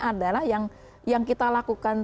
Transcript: adalah yang kita lakukan